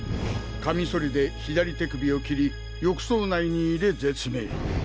カミソリで左手首を切り浴槽内に入れ絶命。